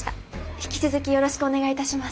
引き続きよろしくお願いいたします。